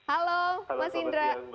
halo selamat siang mbak